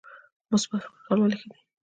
مثبت فکر کول ولې ښه دي؟